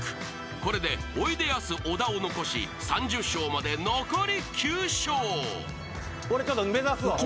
［これでおいでやす小田を残し３０笑まで残り９笑］